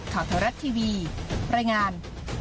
ขาวเทอรัฐทีวีรายงาน